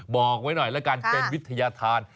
บอกไว้หน่อยแล้วกันเป็นวิทยาธาร